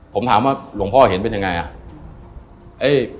ผมถามว่าหลวงพ่อเห็นเป็นยังไงอ่ะ